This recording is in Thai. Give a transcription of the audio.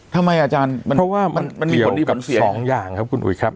เพราะว่ามันเกี่ยวกับสองอย่างครับคุณอุ๋ยครับ